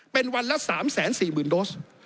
เป็นวันละ๓๔๐๐๐โดส